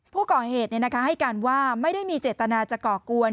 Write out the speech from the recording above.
ผู้ก่อเหตุให้การว่าไม่ได้มีเจตนาจะก่อกวน